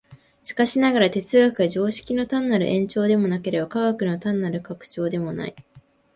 しかしながら、哲学は常識の単なる延長でもなければ、科学の単なる拡張でもない。